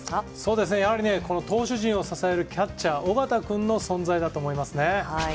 やはり投手陣を支えるキャッチャー尾形君の存在だと思いますね。